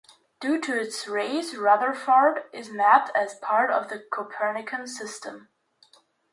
Due to its rays, Rutherfurd is mapped as part of the Copernican System.